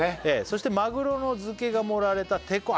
「そしてマグロの漬けが盛られた手こ」